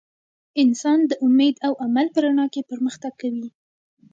انسان د امید او عمل په رڼا کې پرمختګ کوي.